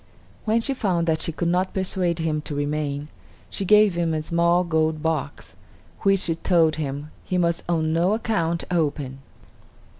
When she found that she could not persuade him to remain, she gave him a small gold box, which, she told him, he must on no account open.